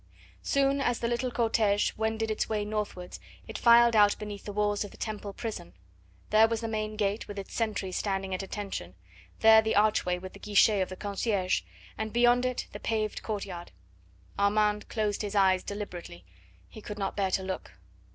Soon as the little cortege wended its way northwards it filed out beneath the walls of the Temple prison; there was the main gate with its sentry standing at attention, there the archway with the guichet of the concierge, and beyond it the paved courtyard. Armand closed his eyes deliberately; he could not bear to look.